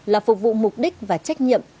là phục vụ mục đích và trách nhiệm